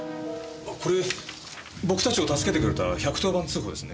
これ僕たちを助けてくれた１１０番通報ですね？